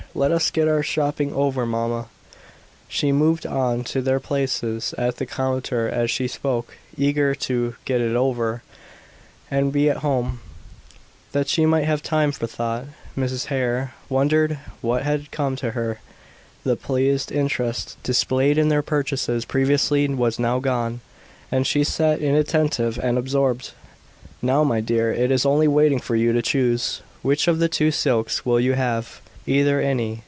Let us get our shopping over, mamma." She moved on to their places at the counter as she spoke, eager to "get it over" and be at home, that she might have time for thought. Mrs. Hare wondered what had come to her; the pleased interest displayed in their purchases previously was now gone, and she sat inattentive and absorbed. "Now, my dear, it is only waiting for you to choose. Which of the two silks will you have?" "Either any.